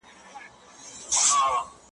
پر اولس د کرارۍ ساعت حرام وو `